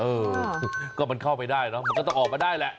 เออก็เข้าไปได้นะก็ต้องออกมาได้แหละ